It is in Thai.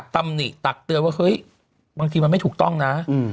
ตำหนิตักเตือนว่าเฮ้ยบางทีมันไม่ถูกต้องนะ